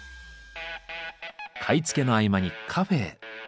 買い付けの合間にカフェへ。